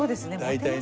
大体ね。